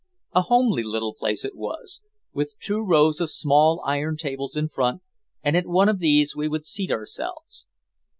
A homely little place it was, with two rows of small iron tables in front, and at one of these we would seat ourselves.